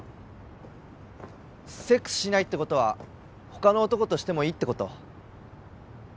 セックスしないってことは他の男とシてもいいってこと？